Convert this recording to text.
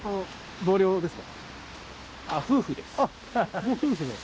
同僚ですか？